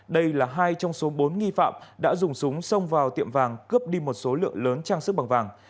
đây là hai trong số bốn nghi phạm đã dùng súng xông vào tiệm vàng cướp đi một số lượng lớn trang sức bằng vàng